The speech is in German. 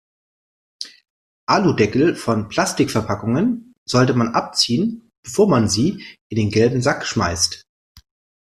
Aludeckel von Plastikverpackungen sollte man abziehen, bevor man sie in den gelben Sack schmeißt.